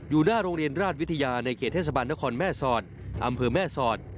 หน้าโรงเรียนราชวิทยาในเขตเทศบาลนครแม่สอดอำเภอแม่สอด